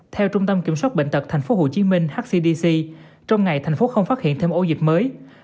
theo trung tâm kiểm soát bệnh tật thành phố hồ chí minh hcdc trong ngày thành phố không phát hiện thêm ổ dịch mới